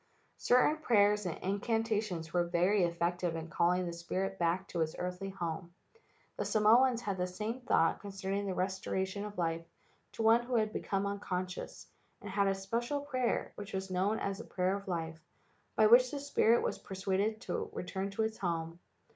Certain prayers and incantations were very effective in calling the spirit back to its earthly home. The Samoans had the same thought concerning the restora¬ tion of life to one who had become unconscious, and had a special prayer, which was known as the prayer of life, by which the spirit was per¬ suaded to return into its old home.